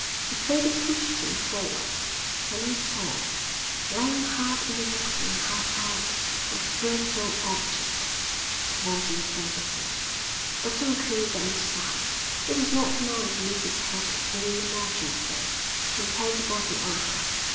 The trader pushed him forwards. Then he saw, lying half in the water and half out, a dreadful object, the body of Davidson. Dr Macphail bent down he was not a man to lose his head in an emergency and turned the body over.